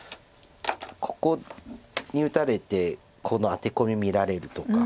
ここに打たれてこのアテコミ見られるとか。